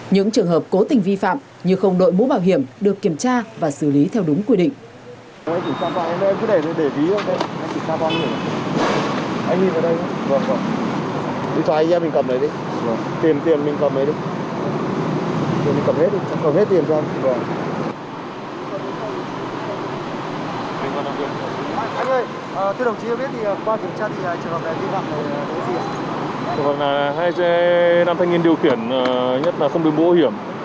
những trường hợp cố tình vi phạm như không đội mũ bảo hiểm được kiểm tra và xử lý theo đúng quy định